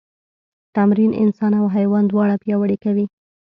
تمرین انسان او حیوان دواړه پیاوړي کوي.